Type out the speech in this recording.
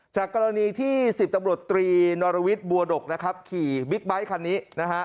จากกรณีที่๑๐ตำรวจตรีนรวิสบัวดกขี่บิ๊กไบท์คันนี้